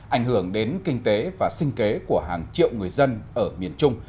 ảnh hưởng đến kinh tế và sinh kế của hàng triệu người dân ở miền trung